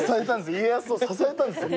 家康を支えたんです。